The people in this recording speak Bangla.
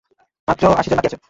মাত্র আশিজন বাকী আছে।